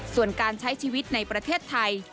ส่วนการใช้ชีวิตในประเทศไทย